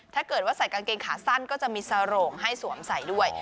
ถ้าเกิดว่าใส่กางเกงขาสั้นก็จะมีสโรงให้สวมใส่ด้วย